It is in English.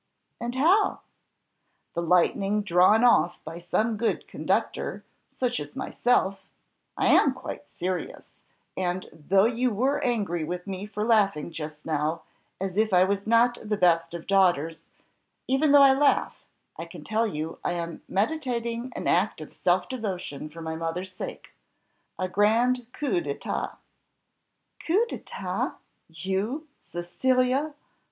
"And how?" "The lightning drawn off by some good conductor such as myself; I am quite serious, and though you were angry with me for laughing just now, as if I was not the best of daughters, even though I laugh, I can tell you I am meditating an act of self devotion for my mother's sake a grand coup d'état." "Coup d'état? you, Cecilia!